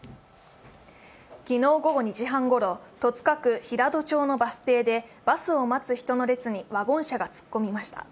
昨日午後２時半ごろ、戸塚区平戸町のバス停でバスを待つ人の列にワゴン車が突っ込みました。